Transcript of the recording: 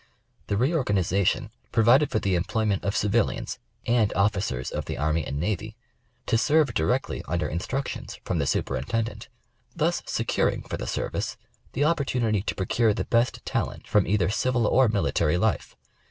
The reorganization provided for the employment of civilians and officers of the Army and Navy to serve directly under in structions from the Superintendent ; thus securing for the service the opportunity to procure the best talent from either civil or military life.